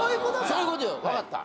そういうことよ分かった。